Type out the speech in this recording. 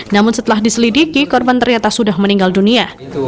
namun setelah diselidiki korban ternyata sudah meninggal dunia